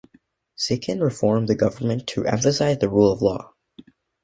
Zichan reformed the government to emphasise the rule of law.